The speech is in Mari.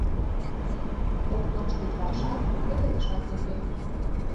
Окнаште чаршат, пеледышат уке.